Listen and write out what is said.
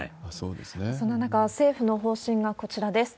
そんな中、政府の方針がこちらです。